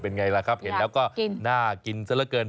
ไงล่ะครับเห็นแล้วก็น่ากินซะละเกิน